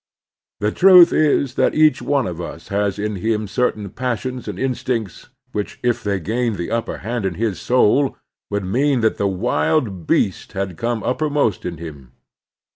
The truth is that each one of us has in him certain passions and instincts which if they gained the upper hand in his soul would mean that the wild beast had come uppermost in him.